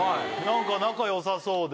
何か仲良さそうで。